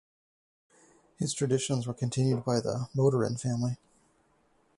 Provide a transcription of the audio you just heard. His traditions were continued by the Motorin family.